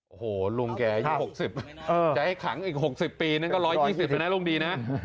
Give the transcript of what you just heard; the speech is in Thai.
โอ้โหลุงแกอายุ๖๐จะให้ขังอีก๖๐ปีนั่นก็๑๒๐เลยนะลุงดีนะ